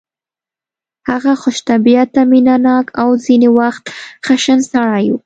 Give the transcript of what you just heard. هغه خوش طبیعته مینه ناک او ځینې وخت خشن سړی و